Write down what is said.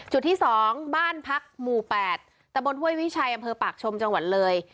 จุดที่๒บ้านพักหมู่๘ตะบนห้วยวิชัยอำเภอปากชมจังหวัดเลย